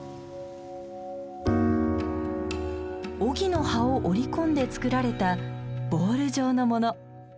オギの葉を織り込んで作られたボール状のもの。